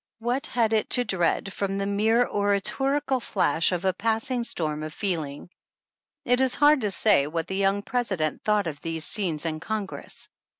What had it to dread from the mere oratorical flash of a passing storm of feeling ? It is hard to say what the young President thought of these scenes in Congress.